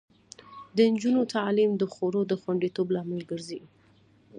د نجونو تعلیم د خوړو د خوندیتوب لامل کیږي.